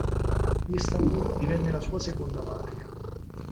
Istanbul divenne la sua seconda patria.